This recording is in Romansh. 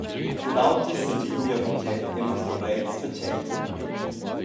Cun auters segidel jeu bugen e lur problems fatschentan mei.